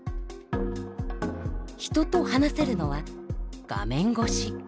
人と話せるのは画面越し。